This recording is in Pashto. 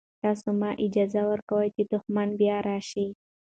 تاسو مه اجازه ورکوئ چې دښمن بیا راشي.